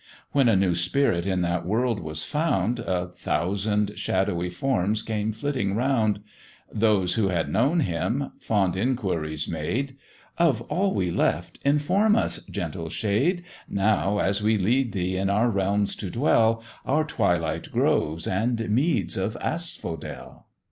When a new spirit in that world was found, A thousand shadowy forms came flitting round: Those who had known him, fond inquiries made, 'Of all we left, inform us, gentle shade, Now as we lead thee in our realms to dwell, Our twilight groves, and meads of asphodel.'